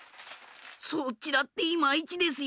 そっちだってイマイチですよ。